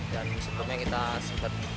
dan sebetulnya kita sempat